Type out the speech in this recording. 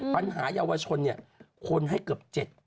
ปัญหาเยาวชนคนให้เกือบ๗